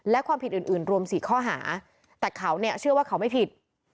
และความผิดอื่นรวม๔ข้อหาแต่เขาเนี่ยเชื่อว่าเขาไม่ผิด